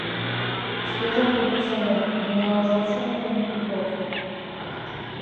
Шкежак тудым чарен темдалаш от шоно гын, тудо ок йом...»